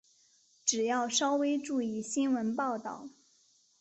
只要稍微注意新闻报导